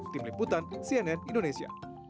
tim liputan cnn indonesia